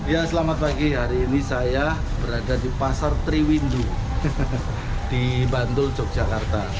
ya selamat pagi hari ini saya berada di pasar triwindu di bantul yogyakarta